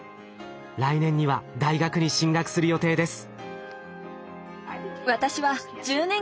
来年には大学に進学する予定です。